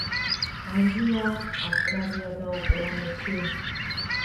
აზია, ავსტრალია და ოკეანეთი.